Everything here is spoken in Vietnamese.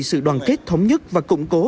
sự đoàn kết thống nhất và củng cố